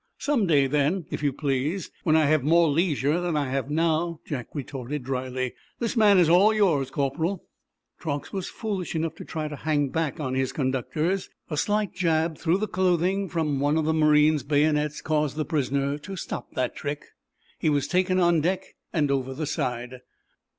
"Some day, then, if you please, when I have more leisure than I have now," Jack retorted, dryly. "This man is all yours, corporal." Truax was foolish enough to try to hang back on his conductors. A slight jab through the clothing from one of the marines' bayonets caused the prisoner to stop that trick. He was taken on deck and over the side.